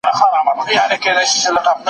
هغې ځان له دې ستونزې خلاص کړی و.